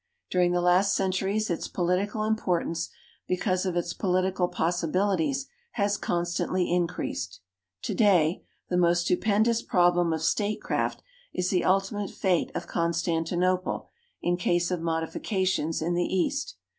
During the last centuries its i)olitical imi)ortance, because of its political possibilities, has constantly increased. Today the 5 THE NATIONAL GEOGRAPHIC SOCIETY most stupendous problem of statecraft is the ultimate fate of Constanti nople in case of modifications in the east.